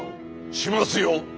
しますよ。